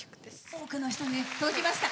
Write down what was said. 多くの人に届きました。